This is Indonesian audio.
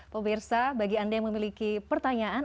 pemirsa bagi anda yang memiliki pertanyaan